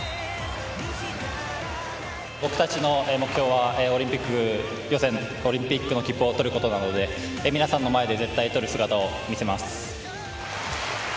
僕たちの目標はオリンピック予選、オリンピックの切符を取ることなので、皆さんの前で絶対取る姿を見せます。